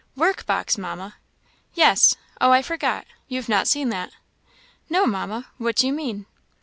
"Workbox, Mamma!" "Yes. Oh, I forgot you've not seen that." "No, Mamma what do you mean?"